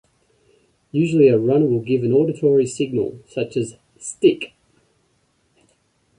Usually a runner will give an auditory signal, such as Stick!